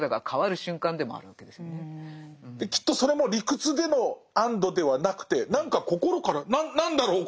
きっとそれも理屈での安堵ではなくて何か心から何だろう